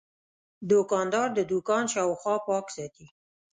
دوکاندار د دوکان شاوخوا پاک ساتي.